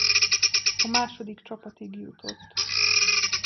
A második csapatig jutott.